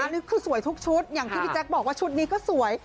อันนี้คือสวยทุกชุดอย่างที่พี่แจ๊คบอกว่าชุดนี้ก็สวย